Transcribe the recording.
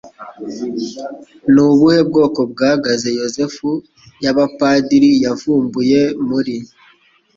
Ni ubuhe bwoko bwa gaze Yosefu Yabapadiri Yavumbuye Muri